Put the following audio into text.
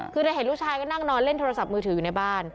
คือเธอเห็นลูกชายก็นั่งนอนเล่นโทรศัพท์มือถืออยู่ในบ้าน